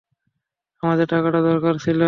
আমাদের টাকার দরকার ছিল।